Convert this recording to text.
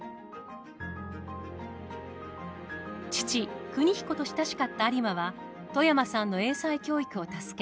父國彦と親しかった有馬は外山さんの英才教育を助け